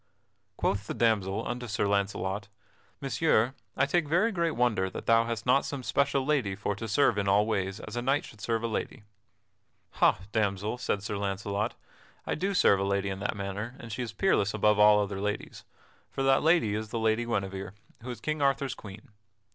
Quoth the damsel unto Sir Launcelot: "Messire, I take very great wonder that thou hast not some special lady for to serve in all ways as a knight should serve a lady." [Sidenote: Sir Launcelot and Croisette discourse together] "Ha, damsel," said Sir Launcelot, "I do serve a lady in that manner and she is peerless above all other ladies; for that lady is the Lady Guinevere, who is King Arthur's queen.